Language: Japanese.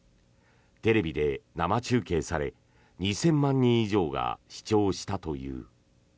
テレビで生中継され２０００万人以上が視聴したという。